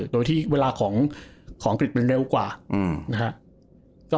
โดยที่เวลาของอังกฤษมันเร็วกว่านะครับ